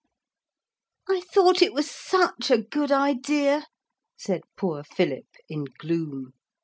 'I thought it was such a good idea,' said poor Philip in gloom.